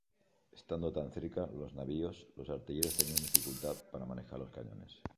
Estando tan cerca los navíos, los artilleros tenían dificultad para manejar los cañones.